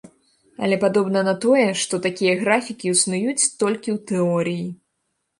Але падобна на тое, што такія графікі існуюць толькі ў тэорыі.